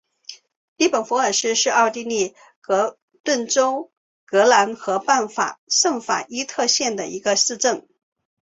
利本弗尔斯是奥地利克恩顿州格兰河畔圣法伊特县的一个市镇。